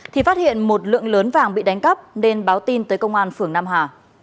thì phát hiện một lượng lớn vàng bị đánh cắp nên báo tin tới công an phường nam hà